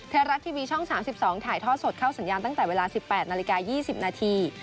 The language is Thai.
ไทยรัฐทีวีช่อง๓๒ถ่ายทอดสดเข้าสัญญาณตั้งแต่เวลา๑๘นาฬิกา๒๐นาที